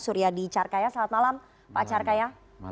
suryadi carkaya selamat malam pak carkaya